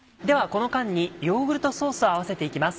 この間にヨーグルトソースを合わせていきます。